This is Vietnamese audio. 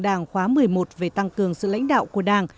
đảng khóa một mươi một về tăng cường sự lãnh đạo của đảng